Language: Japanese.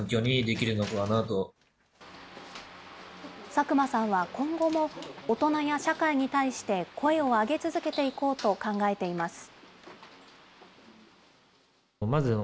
佐久間さんは今後も、大人や社会に対して、声を上げ続けていこうと考えています。